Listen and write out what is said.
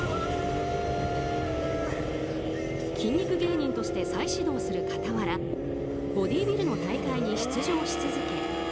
筋肉芸人として再始動する傍らボディービルの大会に出場し続け